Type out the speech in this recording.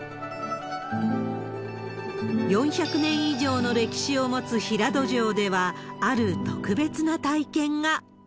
４００年以上の歴史を持つ平戸城では、ある特別な体験が。